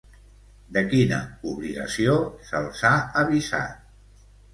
De quina obligació se'ls ha avisat?